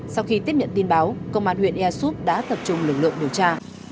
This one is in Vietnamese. sau khi tiếp nhận tin báo công an huyện easup đã tập trung lực lượng điều tra